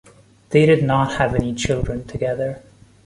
They did not have any children together.